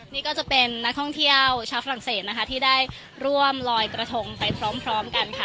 นี่ก็จะเป็นนักท่องเที่ยวชาวฝรั่งเศสนะคะที่ได้ร่วมลอยกระทงไปพร้อมกันค่ะ